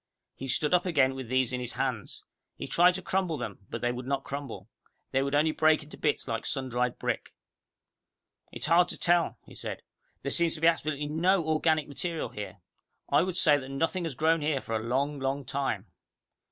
He stood up again with these in his hands. He tried to crumble them, but they would not crumble. They would only break into bits like sun dried brick. "It's hard to tell," he said. "There seems to be absolutely no organic material here. I would say that nothing has grown here for a long, long time.